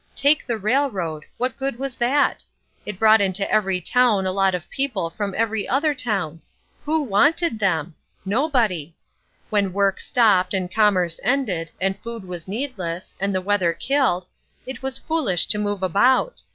Take the railroad, what good was that? It brought into every town a lot of people from every other town. Who wanted them? Nobody. When work stopped and commerce ended, and food was needless, and the weather killed, it was foolish to move about.